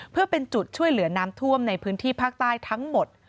เพื่อเป็นจุดช่วยเหลือน้ำท่วมในพื้นที่ภาคใต้ทั้งหมด